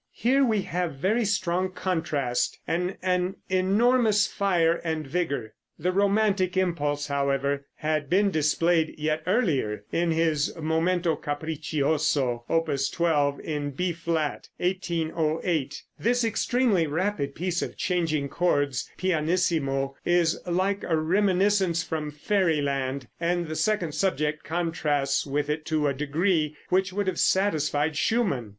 Here we have very strong contrast and an enormous fire and vigor. The romantic impulse, however, had been displayed yet earlier in his "Momento Capriccioso," Opus 12, in B flat (1808). This extremely rapid piece of changing chords pianissimo is like a reminiscence from fairy land, and the second subject contrasts with it to a degree which would have satisfied Schumann.